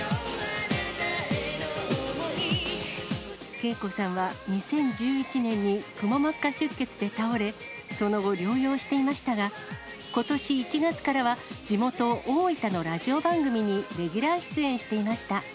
ＫＥＩＫＯさんは２０１１年にくも膜下出血で倒れ、その後、療養していましたが、ことし１月からは地元、大分のラジオ番組にレギュラー出演していました。